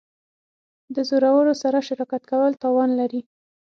د زورورو سره شراکت کول تاوان لري.